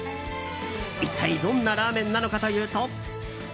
一体どんなラーメンなのかというと。